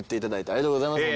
ありがとうございます。